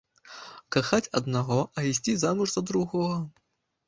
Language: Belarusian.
Кахаць аднаго, а ісці замуж за другога.